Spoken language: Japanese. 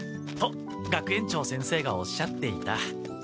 と学園長先生がおっしゃっていた。